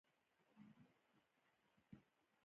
د ای ټي ایم ماشینونه فعال دي؟